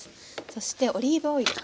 そしてオリーブオイル。